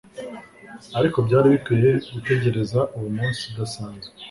ariko byari bikwiye gutegereza uwo munsi udasanzwe